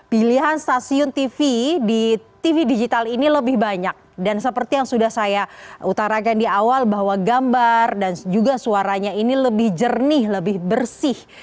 pilihan stasiun tv di tv digital ini lebih banyak dan seperti yang sudah saya utarakan di awal bahwa gambar dan juga suaranya ini lebih jernih lebih bersih